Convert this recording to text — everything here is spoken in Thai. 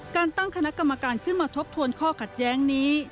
การตั้งคณะกรรมการขึ้นมาทบทวนข้อขัดแย้งนี้